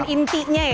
gerakan intinya ya